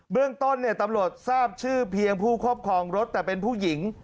เรื่องต้นตำรวจทราบชื่อเพียงผู้ครอบครองรถแต่เป็นผู้หญิง